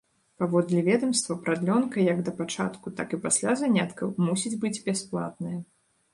Паводле ведамства, прадлёнка як да пачатку, так і пасля заняткаў мусіць быць бясплатная.